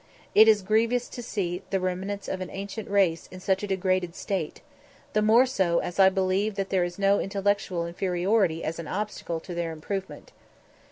It is grievous to see the remnants of an ancient race in such a degraded state; the more so as I believe that there is no intellectual inferiority as an obstacle to their improvement.